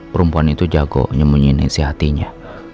perempuan itu jago nyemunyai si hatinya